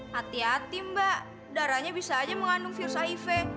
hati hati mbak darahnya bisa aja mengandung virus hiv